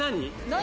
何？